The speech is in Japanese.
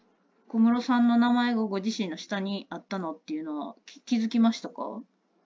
小室さんの名前がご自身の下にあったのっていうのは、気付き